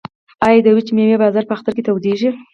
آیا د وچې میوې بازار په اختر کې تودیږي؟